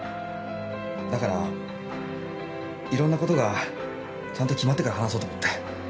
だからいろんなことがちゃんと決まってから話そうと思って。